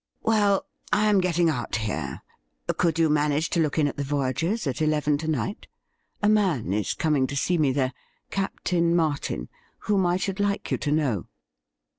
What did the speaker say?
Well, I am getting out here. Could you manage to look in at the Voyagers' at eleven to night ? A man is coming to see me there — Captain Martin — whom I should like you to know.'